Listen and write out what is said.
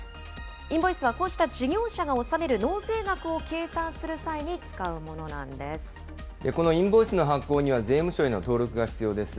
インボイスはこうした事業者が納める納税額を計算する際に使うもこのインボイスの発行には税務署への登録が必要です。